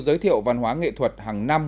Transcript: giới thiệu văn hóa nghệ thuật hàng năm